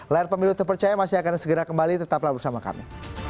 layar pemilu terpercaya masih akan segera kembali tetaplah bersama kami